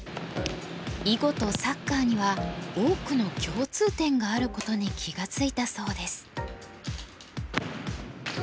囲碁とサッカーには多くの共通点があることに気が付いたそうです。